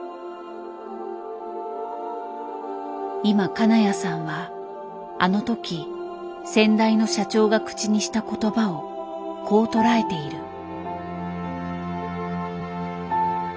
今金谷さんはあの時先代の社長が口にした言葉をこう捉えている。